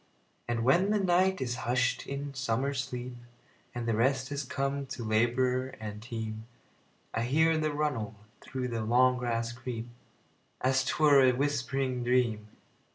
And when the night is hush'd in summer sleep, And rest has come to laborer and team,I hear the runnel through the long grass creep, As 't were a whispering dream.